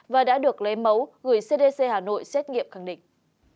và đã được lấy máu gửi cdc hà nội xét nghiệm khẳng định